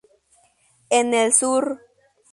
En el Sur.